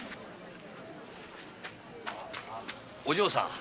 お嬢さん。